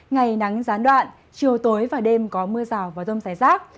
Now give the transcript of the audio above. ngày nắng gián đoạn chiều tối và đêm có mưa rào và rông rải rác